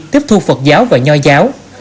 tiếp thu phật giáo và nho giáo